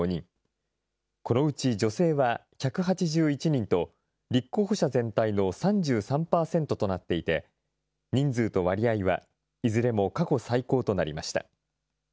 このうち女性は１８１人と、立候補者全体の３３％となっていて、人数と割合は、いずれも過去最高となりました。